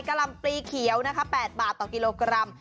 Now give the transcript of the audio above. ลำปลีเขียวนะคะ๘บาทต่อกิโลกรัม